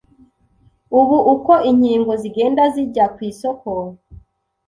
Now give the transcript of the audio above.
ubu uko inkingo zigenda zijya ku isoko